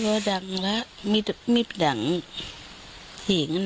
ถามความว่าเกิดอยู่ล่ะค่ะ